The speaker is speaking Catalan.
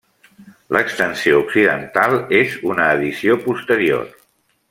L'extensió occidental és una addició posterior.